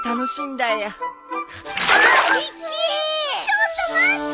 ちょっと待って！